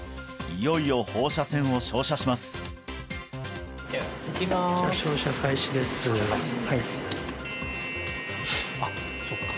いよいよ放射線を照射しますいきます